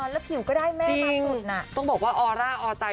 แล้วผิวก็ได้แม่มาสุดน่ะต้องบอกว่าออร่าออใจ